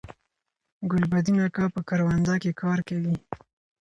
ګلبدین اکا په کرونده کی کار کوي